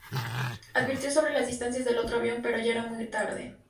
Advirtió sobre la distancia del otro avión, pero ya era muy tarde.